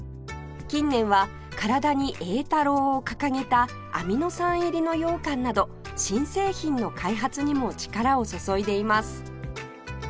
近年は「からだにえいたろう」を掲げたアミノ酸入りのようかんなど新製品の開発にも力を注いでいます